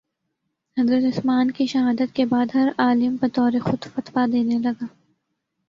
حضرت عثمان کی شہادت کے بعد ہر عالم بطورِ خود فتویٰ دینے لگا